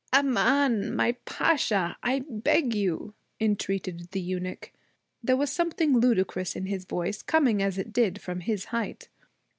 'Aman, my Pasha! I beg you!' entreated the eunuch. There was something ludicrous in his voice, coming as it did from his height.